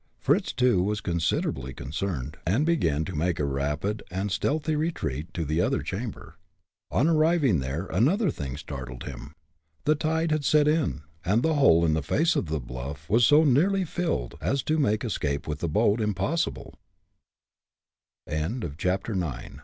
Fritz, too, was considerably concerned, and began to make a rapid and stealthy retreat to the other chamber. On arriving there, another thing startled him. The tide had set in, and the hole in the face of the bluff was so nearly filled as to make escape with the boat impossible. CHAPTER X. A DIVE FOR LIFE.